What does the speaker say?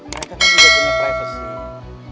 mereka kan juga punya privasi